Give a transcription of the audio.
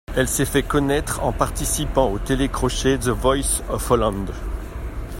Elle s'est fait connaître en participant au télé-crochet The Voice of Holland.